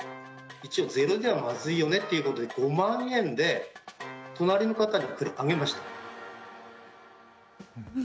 一応、ゼロではまずいよねということで５万円で隣の方にあげました。